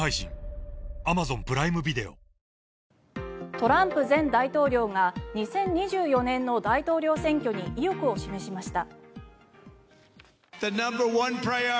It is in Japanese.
トランプ前大統領が２０２４年の大統領選挙に意欲を示しました。